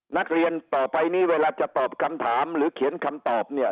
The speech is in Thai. นักเรียนต่อไปนี้เวลาจะตอบคำถามหรือเขียนคำตอบเนี่ย